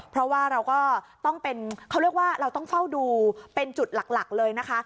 เพราะว่าเราก็ต้องเป็นเขาเรียกว่าเราต้องเฝ้าดูเป็นจุดหลักเลยนะคะ